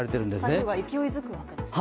台風が勢いづくわけですね。